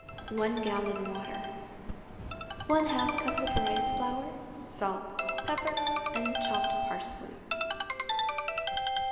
1 gallon water. ½ cup of rice flour, salt, pepper and chopped parsley.